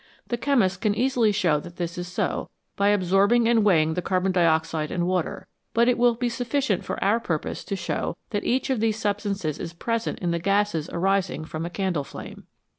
The chemist can easily show that this is so by absorbing and weighing the carbon dioxide and water, but it will be sufficient for our purpose to show that each of these substances is present in the gases arising from a candle flame.